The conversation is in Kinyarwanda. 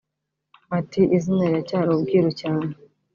Ati “Izina riracyari ubwiru cyane